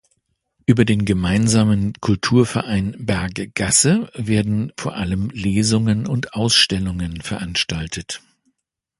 Über den gemeinsamen Kulturverein Berggasse werden vor allem Lesungen und Ausstellungen veranstaltet.